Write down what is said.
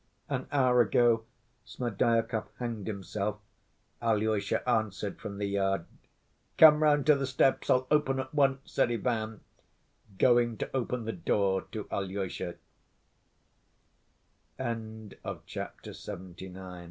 "An hour ago Smerdyakov hanged himself," Alyosha answered from the yard. "Come round to the steps, I'll open at once," said Ivan, going to open the door t